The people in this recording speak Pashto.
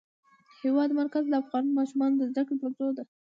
د هېواد مرکز د افغان ماشومانو د زده کړې موضوع ده.